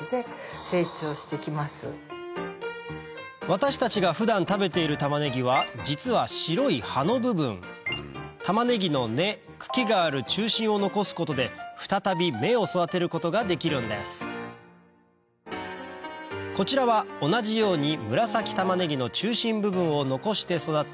私たちが普段食べているタマネギは実は白い葉の部分タマネギの根茎がある中心を残すことで再び芽を育てることができるんですこちらは同じように紫タマネギの中心部分を残して育て